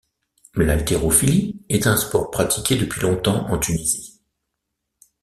L’haltérophilie est un sport pratiqué depuis longtemps en Tunisie.